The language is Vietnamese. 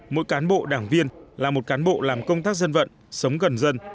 mỗi cán bộ đảng viên là một cán bộ làm công tác dân vận sống gần dân